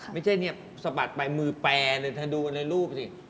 ไม่ใช่เนี่ยสะบัดไปมือแปลเลยเธอดูในรูปสิ